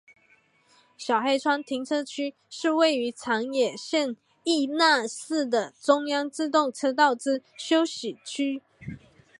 小黑川停车区是位于长野县伊那市的中央自动车道之休息区。